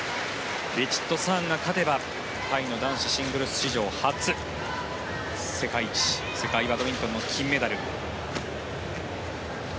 ヴィチットサーンが勝てばタイの男子シングルス史上初世界一世界バドミントンの金メダル。